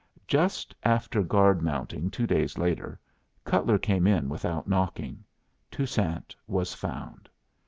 Just after guard mounting two days later, Cutler came in without knocking. Toussaint was found.